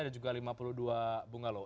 ada juga lima puluh dua bungalo